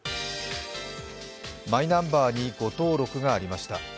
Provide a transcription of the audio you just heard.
マイナンバーに誤登録がありました。